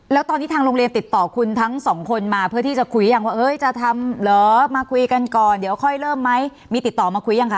แล้วตอนนี้ทางโรงเรียนติดต่อคุณทั้งสองคนมาเพื่อที่จะคุยยังว่าเอ้ยจะทำเหรอมาคุยกันก่อนเดี๋ยวค่อยเริ่มไหมมีติดต่อมาคุยยังคะ